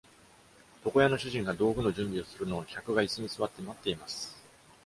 床屋の主人が道具の準備をするのを客がいすに座って待っています。